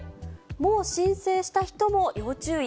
もう申請した人も要注意。